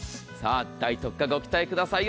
大特価、ご期待ください。